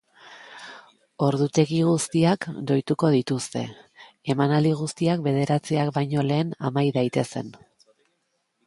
Ordutegi guztiak doituko dituzte, emanaldi guztiak bederatziak baino lehen amai daitezen.